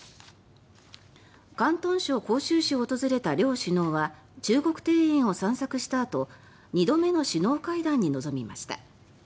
広東省広州市を訪れた両首脳は中国庭園を散策したあと２度目の首脳会談に臨みました。